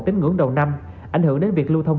tính ngưỡng đầu năm ảnh hưởng đến việc lưu thông